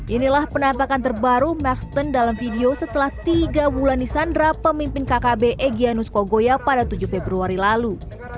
inilah penampakan terbaru merkston dalam video setelah tiga bulan disandra pemimpin kkb egyanus kogoya pada tujuh februari lalu